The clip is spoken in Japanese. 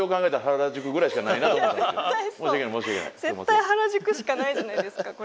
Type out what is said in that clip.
絶対原宿しかないじゃないですかこれ。